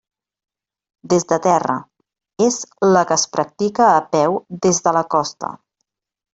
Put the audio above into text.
Des de terra: és la que es practica a peu des de la costa.